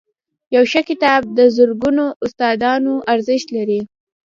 • یو ښه کتاب د زرګونو استادانو ارزښت لري.